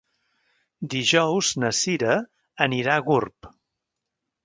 Dijous na Cira anirà a Gurb.